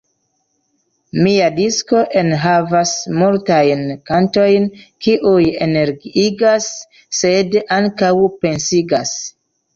Mia disko enhavas multajn kantojn, kiuj energiigas, sed ankaŭ pensigas.